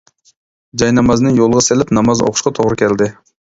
جاينامازنى يولغا سېلىپ ناماز ئوقۇشقا توغرا كەلدى.